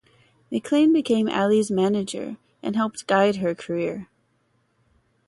McClain became Ali's manager and helped guide her career.